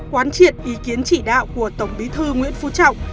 quán triệt ý kiến chỉ đạo của tổng bí thư nguyễn phú trọng